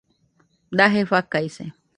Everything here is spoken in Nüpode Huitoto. Daje fakaise